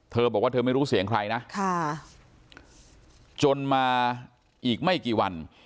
เธอบอกว่าเธอไม่รู้เสียงใครนะจนมาอีกไม่กี่วัน